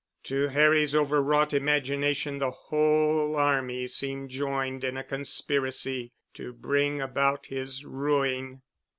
To Harry's overwrought imagination the whole army seemed joined in a conspiracy to bring about his ruin.